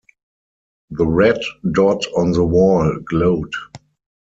The red dot on the wall glowed.